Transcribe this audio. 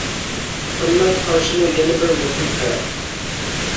قىممەت قارىشىمۇ يەنە بىر مۇھىم تەرەپ.